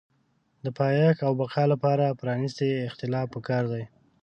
د پایښت او بقا لپاره پرانیستی اختلاف پکار دی.